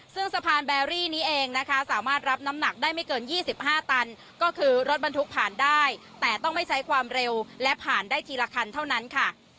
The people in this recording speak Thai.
ซึ่งสะพานแบรี่นี้เองนะคะสามารถรับน้ำหนักได้ไม่เกิน๒๕ตันก็คือรถบรรทุกผ่านได้แต่ต้องไม่ใช้ความเร็วและผ่านได้ทีละคันเท่านั้นค่ะ